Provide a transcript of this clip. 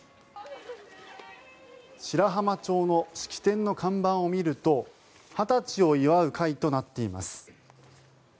白浜町の式典の看板を見ると「２０歳を祝う会」となっています。